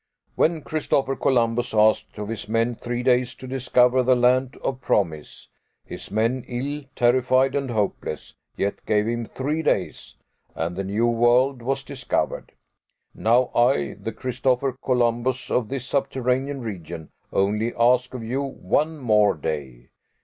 When Christopher Columbus asked of his men three days to discover the land of promise, his men ill, terrified, and hopeless, yet gave him three days and the New World was discovered. Now I, the Christopher Columbus of this subterranean region, only ask of you one more day.